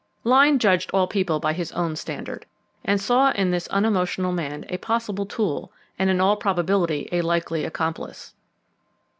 Lyne judged all people by his own standard, and saw in this unemotional man a possible tool, and in all probability a likely accomplice.